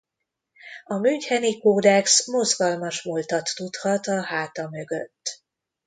A Müncheni kódex mozgalmas múltat tudhat a háta mögött.